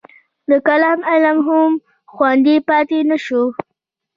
د کلام علم هم خوندي پاتې نه شو.